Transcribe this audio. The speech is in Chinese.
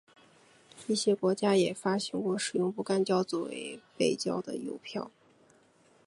一些国家也发行过使用不干胶作为背胶的邮票。